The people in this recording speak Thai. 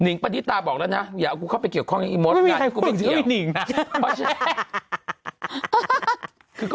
นิ๊งปฏิติาบอกแล้วน้าอยากเข้าไปเกี่ยวกันอีกมากแล้วก็สุดเชื่อ